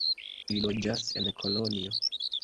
Li loĝas en Kolonjo.